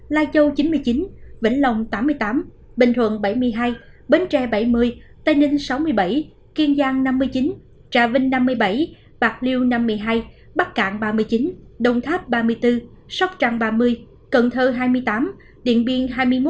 lai châu chín mươi chín vĩnh long tám mươi tám bình thuận bảy mươi hai bến tre bảy mươi tây ninh sáu mươi bảy kiên giang năm mươi chín trà vinh năm mươi bảy bạc liêu năm mươi hai bắc cạn ba mươi chín đồng tháp ba mươi bốn sóc trăng ba mươi cần thơ hai mươi tám điện biên hai mươi một